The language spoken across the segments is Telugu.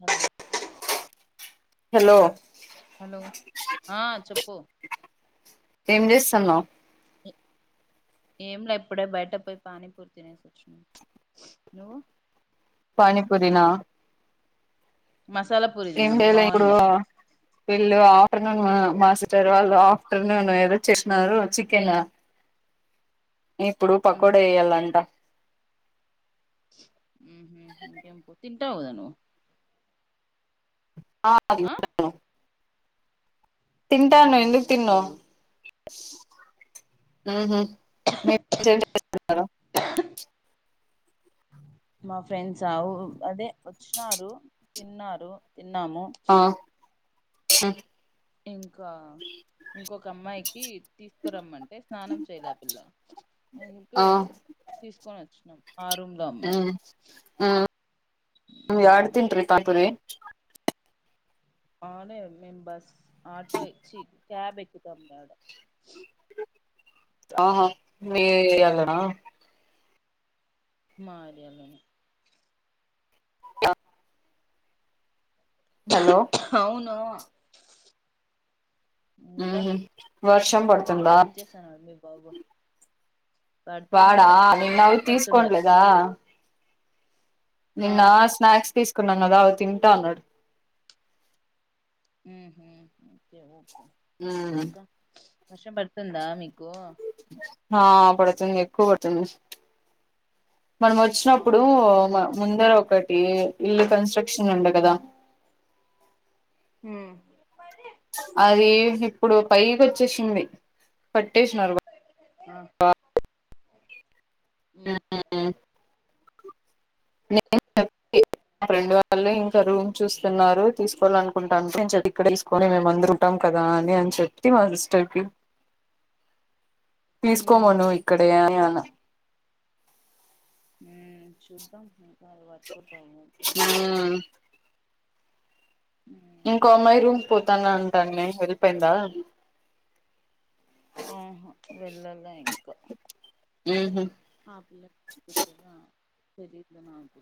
అ హలో హలో ఆ చెప్పు హ్మ్మ్ ఏం చేస్తున్నావ్ ఏం లే ఇప్పుడే బయటకు పోయిపానీపూరి తినేసి వచ్చాం పానిపురి నా మసాలా పూరి తిన్నాం బాగుంది వీళ్లు ఆఫ్టర్నూన్ మాట్లాడు తి తెరువాలా పెదనాన్న వాళ్లు చేస్తున్నారు చికెన్ అ ఇప్పుడు ఉమ్, పకోడీలు వెయ్యాలంట హమ్ హమ్ పో త కుట్టవుకదా ను్ అ తింటాను ఉమ్, ఎందుకు ఓకే తినవు ఓకే. ఆ మీస్తున్నారు మా ఫ్రెండ్స్ ఆవు అదే తిన్నాము ష్ట ఇంకా ఇంకొక అమ్మాయికి తీసుకురమంటే స్నానం చేయాలే పిల్ల ఇక తీసుకొని వచ్చినాం ఆ రూమ్ లో ఊ అమ్మాయి ఊ ఉమ్, యాడు తింటిరి [inaudible] అవునే మేము బస్ ఆటో ఇచ్చి క్యాబ్ ఎక్కుతాం అడా ఆహా మీ అలనా మరి అలనే హలో అవును ఇంకా మ్మ్ వర్షం పడుతుందా బవ్వ వాడా నిన్న అవి తీసుకోలేదా ఆ నిన్న స్నాక్స్ తీసుకున్నా అదా తింటా అన్నాడు మ్ హు కే మ్మ్ ఇంకా వర్షం పడుతుందా మీకు ఆ ఎక్కువబడుతుంది మనం వచ్చినప్పుడు అవునా మ ముందర ఒక ఈ ఇల్లు కన్సట్రక్షన్ ఉండ కదా మ్ అది ఇప్పుడు పైకొచ్చేసింది కట్టేసినారు [inaudible] ఊ [inaudible] ఫ్రెండ్ వాళ్ళు ఇంకా రూమ్ చూస్తున్నారు తీసుకోవాలనుకుంటాను [inaudible] తీసుకొని మేం అందరు ఉంటాం కదా అని అని చెప్పి మా సిస్టర్ కి ఉమ్ తీసుకోమను ఇక్కడే అని అన్ అ ఊ చుద్దాం వాళ్ళు వర్కు [inaudible] ఇంకో అమ్మాయి రూమ్ కు పోతాను ఉమ్ అంటాంది వెళ్ళిపోయిందా ఆహూ వెళ్ళలే ఇంకా మ్మ్ హ్మ్ ఆ పిల్లకు [inaudible] తెలీదు నాకు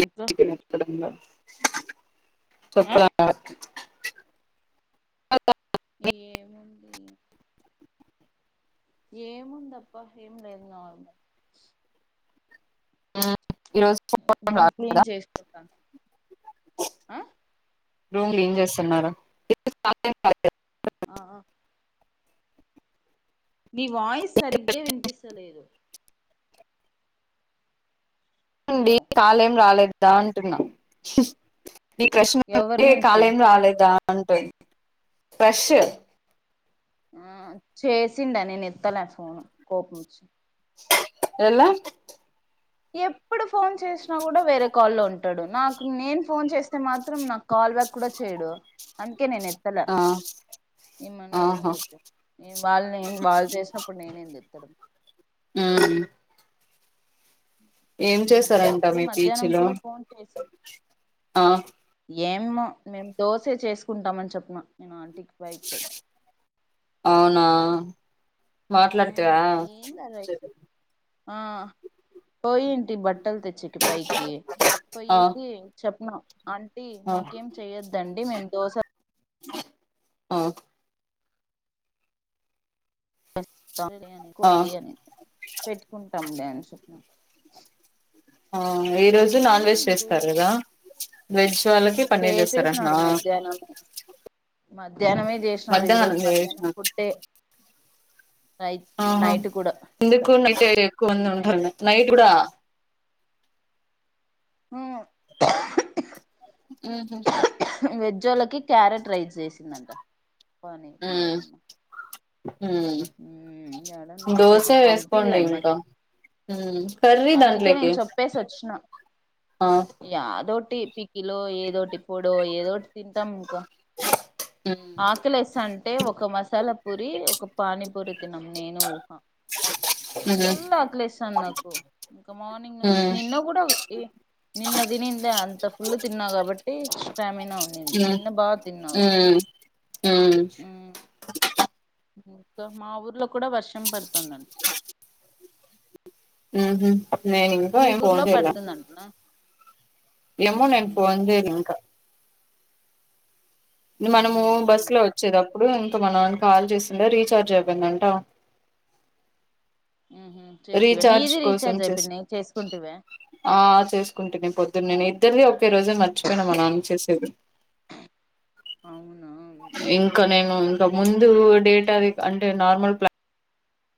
ఇంకా ఆ చప్పులా అ ఏముంది ఏముందబ్బా ఏం లేదు నార్మల్ ఈ రోజు రూమ్ క్లీన్ రాలేదా చేసుకుంటాను ఆ రూమ్ క్లీన్ చేస్తున్నారు ఆ మీ వాయిస్ సరిగ్గా వినిపిస్తు పించ లేదు అండి హలో కాలేదు కాలేదు దా అంటున్నా నీ క్రష్ ని ఎవరి అడిగితే నుంచి కాలేదాదా అంటుంది ఫ్రెష్ ఆ చేసిండ నేను ఎత్తల ఫోను కోపంచ్చి ఎలా ఎప్పుడు ఫోన్ చేసినా కూడా వేరే కాల్లో ఉంటడు. నాకు నేను ఫోన్ చేస్తే మాత్రం నాకు కాల్ బ్యాక్ కూడా చేయడు అన్ ఓకే నేను ఎత్తలే ఆ ఏమన్నా ఆహా చేసుకోపోఏం వాళ్ళ వాళ్ళు చేసినప్పుడు నేనేంది ఎత్తడం ఉ ఏం ఉమ్ చేసారంట అప్పుడు మీ మధ్యాహ్నం పీచీలో కూడా ఫోన్ చేసి ఆ ఏమో మేము దోసే చేసుకుంటామని చెప్పిన్నా నే ఆంటీకి పైకి పోయి అవునా మాట్లాడతదా ఏంది ఆ రైస్ ఆ పో ఏంటి బట్ట బట్టల్ తెచ్చేకి పైకి ఆ పోయేసి చెప్ హ ఆంటీ ఆ మాకేం చెయ్యొద్దండి మేం దోశ ఆ అని ఆ కొండి అని పెట్టుకుంటాం లే అని చెప్నా ఆ ఈ రోజు నాన్ వెజ్ ఏంది చేస్తారు రోజు కదా వెజ్ వాళ్ళకి పన్నీర్ చేస్తార అంటన మద్ మధ్యాహ్నమే చేసినారు ఈ రోజు మధ్యాహ్నం చేసిన పుట్టే ఆహా ఎందుకు నై ఎక్కువంది ఆ ఉంటారు నైట్ కూడా హ ఆహ వెజోలకి క్యారెట్ రైస్ చేసిందంట పనీర్ మూలమ పె దోస పంపిలే వేసుకోండి ఇంకా అమ్మకి కర్రీ దాంట్లోకి ఆ దో టి ప కిలో ఏదో టిప్ ఇప్పుడు ఏదోటి తింటాం ఇంకా ఉమ్ ఆకలి వస్తాం అంటే ఒక మసాలా పూరి ఒక పాణిపుూరి తినం నేను ఊహ ఉహు ఫుల్ ఆకలిస్తాను నాకు ఇంకా మార్నింగ్ నుంచి ఉమ్ నిన్న కూడా ఏ నిన్న దినంద అంత ఫుల్ తిన్నాగాబట్టి స్ త ఉడి ఉమ్ నిన్న బాగా తిన్నా కద ఉమ్ ఉమ్ ఇకా మా ఊర్లో కూడా వర్షం పడుతుందండి ఉహ అప్పు నకో అ పోందల పడుతుందంటనా ఎమో మ్మ్ ననుపు హ్మ్ వంది మనము అవునా బస్సు లో వచ్చేదిప్పుడు ఇంకా మన కాల్ చేసిందా రీచార్జ్ అయిపోయిందంట ఉహు చేస్తివా రీచార్జ్ నీది కోసం రీఛార్జ్ చేసు అయిపోయింది చేసుకుంటివా ఆ చేసుకుంటేనే పొద్ నేను ఇద్దరిది ఒకే రోజే మర్చిపోయినామా నాం చేసేది అవునా ఇంకా నేను ఇ ముందు డేట్ అది అంటే నార్మల్ ప్లాన్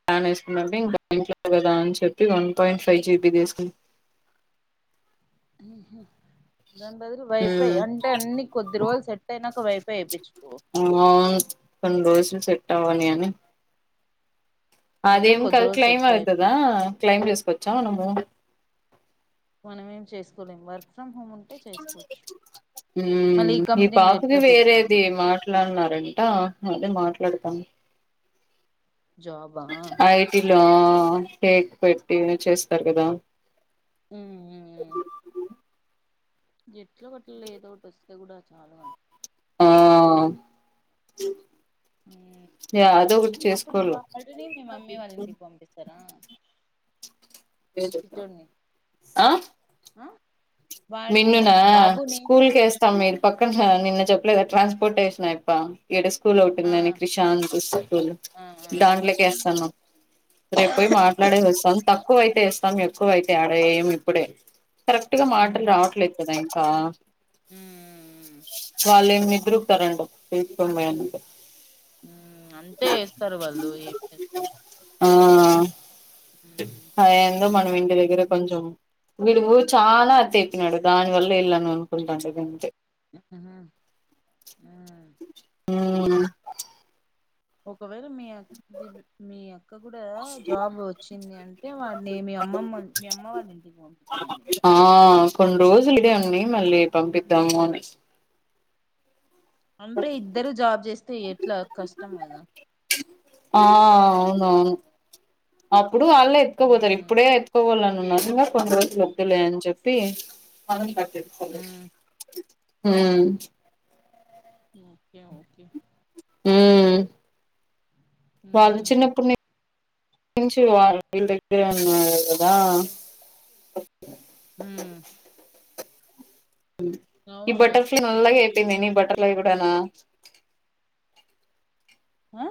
ప్లాన్ వేసుకున్నట్ే ఇంకా బంట్లో కదా అని చెప్పి వన్ పాయింట్ ఫైవ్ జీబీ తీసుకుంది హహ దాని బదులు వైఫై ఉమ్ అంటే అన్ని కొద్ది రోజులు సెట్ అయినాక వైఫై ఇప్పించుకోవు సిట్టవనినే అదే అదేం క కొద్ది రోజులు క్లైమ్ సెట్ అతుదా అయిపోయినాక క్లైమ్ చేస్త పచ్చానమో మనమేం చేసుకోలేం వర్క్ ఫ్రమ్ హోమ్ ఉంటే చేసుకోవచ్చు మళ్ళీ ఈ కంపెనీలో పాపకి ఎట్లా తెలిదమ్మా వేరేది మాట్లాడినారంట అదే మాట్లా లేడతాం జాబా ఇలా కేక్ పెట్టి చేస్తారు కదా ఉ ఎట్లో ఒకట్ల ఏదో ఒకటి వస్తే కూడా చాలు నాకు ఆ మ్ యా అదొకటి అప్పుడు చేసుకోల్ల వాడిని మీ మమ్మీ వాళ్ళింటికి పంపిస్తారా చిట్టోడిని ఆ ఆ వాడిని మిన్నునా బాబుని స్కూల్ కి వేస్తాం ఆ మీరు పక్కన నిన్న చెప్పలేదా ట్రాన్స్పోర్టేషన్ అయ్యప్ప అ స్కూల్ ఆ ఒకటిందని క్రిషా అంత స్కూల్ ఆ దాంట్లోకి వేస్తున్నాం రేపుపోయి ఆ మాట్లాడే వస్తాం తక్కువ అయి వేస్తాం ఎక్కువతే ఆడ ఇప్పుడే కరెక్ట్ గా రాట్లేదు కదా ఆ మ్ [unintelligible] ఇద్రకు తీస్కొని పోయిండ్రు మ్ అంటే వేస్తారు వాళ్ళు ఏం చేస్తారు ఆ ఉమ్ అ మనం ఇంటి దగర కొంచెం వీడు చాలా అతి తడు దాని వల్ల వెళ్ళాను అనుకుంటాట అంతె ఊ ఊ ఒకవేళ మీ [unintelligible] క్క కూడా జాబ్ వచ్చింది అంటే వాడిని మీ అమ్మమ్మ మీ అమ్మ వాళ్ళ ఇంటికి పంపిచ్చేయండి ఇంకా ఆ కొన్ని రోజులు ఈడే ఉండి మళ్ళీ పంపిద్దాము అని అంటే ఇద్దరూ జాబ్ చేస్తే ఎట్లా కష్టం కదా ఆ అవును అవును అ ప్పుడు వాళ్ళే ఎత్తుకోపోతారు ఉమ్ ఇప్పుడే ఎత్త్కో పోవాలన్ [inaudible] కొన్ని రోజులు వద్దులే అని చెప్పి ఉమ్ ఊ ఓకే ఓకే ఊ వాళ్ళు ఉమ్ చిన్నప్పుడు ని నుంచి వళు వీళ్ళ దగ్గరే ఉన్నారు కదా ఊ ఈ అవునులే బటర్ఫ్లై నల్గగై లే మినీ బట్టర్ఫ్లై కూడా నా ఆ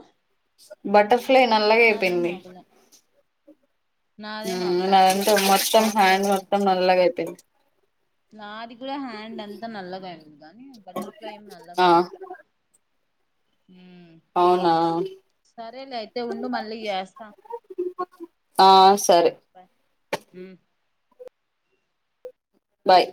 బట్టర్ అట్లే నల్లాగ నాదేం అయిపోయింది అవ్వలే నాదేం మ్ అవ్వలే నాదంటే మొత్తం హ్యాండ్ మామూలుగానే ఉంది మొత్తం నల్లగా అయిపోయింది నాది కూడా హ్యాండ్ అంతా నల్లగా అయింది కానీ బటర్ఫ్లై ఏమి నల్లగా ఆ కాలే మ్ అవునా సరేలే అయితే ఉండు మళ్ళీ చేస్తా ఆ సరే మ్ బాయ్